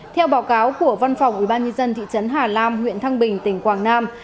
theo báo cáo của văn phòng ubnd thị trấn hà lam huyện thăng bình tỉnh quảng nam